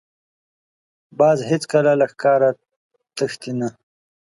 باز هېڅکله له ښکار تښتي نه